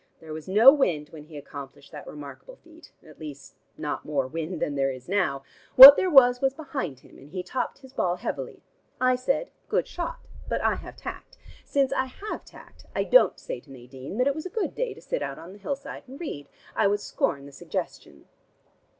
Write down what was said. There was no wind when he accomplished that remarkable feat, at least not more wind than there is now. What there was was behind him, and he topped his ball heavily. I said 'Good shot.' But I have tact. Since I have tact, I don't say to Nadine that it was a good day to sit out on the hillside and read. I would scorn the suggestion."